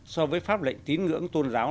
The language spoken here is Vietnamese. so với pháp lệnh tín ngưỡng tôn giáo